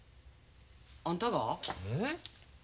あんたが？ええ？